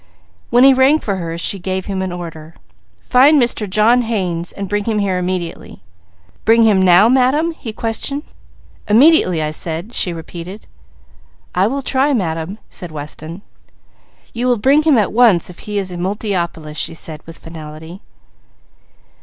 When he rang for her, she gave him an order: "Find Mr. John Haynes and bring him here immediately." "Bring him now, Madam?" he questioned. "Immediately, I said," she repeated. "I will try, Madam," said Weston. "You will bring him at once if he is in Multiopolis," she said with finality.